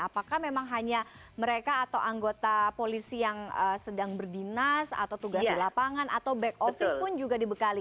apakah memang hanya mereka atau anggota polisi yang sedang berdinas atau tugas di lapangan atau back office pun juga dibekali